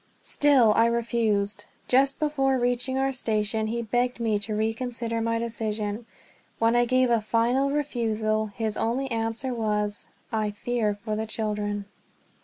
Still I refused. Just before reaching our station he begged me to reconsider my decision. When I gave a final refusal, his only answer was: "I fear for the children."